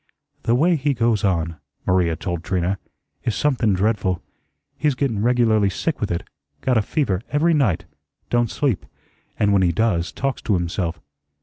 "The way he goes on," Maria told Trina, "is somethun dreadful. He's gettun regularly sick with it got a fever every night don't sleep, and when he does, talks to himself.